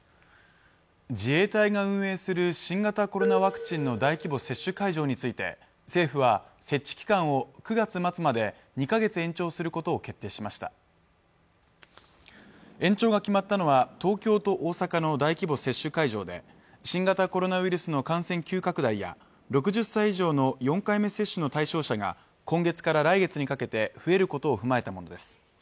自衛隊が運営する新型コロナワクチンの大規模接種会場について政府は設置期間を９月末まで２か月延長することを決定しました延長が決まったのは東京と大阪の大規模接種会場で新型コロナウイルスの感染急拡大や６０歳以上の４回目接種の対象者が今月から来月にかけて増えることを踏まえたものです